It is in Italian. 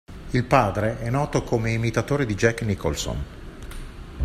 Il padre è noto come imitatore di Jack Nicholson.